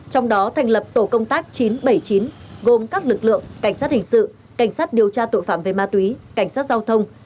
trong đó thành lập tổ công tác chín trăm bảy mươi chín gồm các lực lượng cảnh sát hình sự cảnh sát điều tra tội phạm về ma túy cảnh sát giao thông